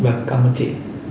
vâng cảm ơn chị